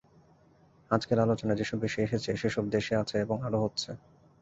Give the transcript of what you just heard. আজকের আলোচনায় যেসব বিষয় এসেছে সেসব দেশে আছে এবং আরও হচ্ছে।